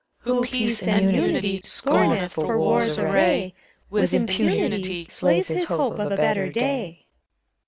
CHORUS. Who peace and unity Scometh> for war*s array. With impunity Slays his hope of a better day.